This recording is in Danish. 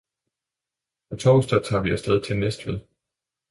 På torsdag tager vi afsted til Næstved